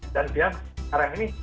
dan biar sekarang ini